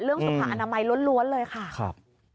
เรื่องสุขออนามัยล้วนเลยค่ะ